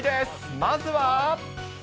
まずは。